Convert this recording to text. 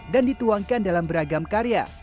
dan dituangkan dalam beragam karya